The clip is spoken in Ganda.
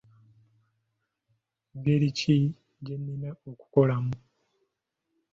Ngeri ki gyennina okukolamu?